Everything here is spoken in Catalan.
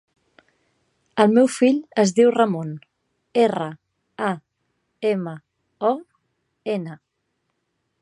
El meu fill es diu Ramon: erra, a, ema, o, ena.